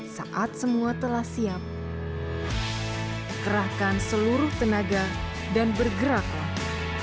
saat semua telah siap kerahkan seluruh tenaga dan bergeraklah